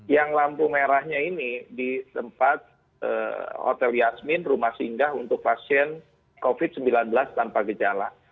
yang lampu merahnya ini di tempat hotel yasmin rumah singgah untuk pasien covid sembilan belas tanpa gejala